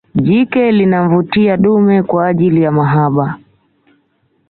Jike linamvutia dume kwa ajili ya mahaba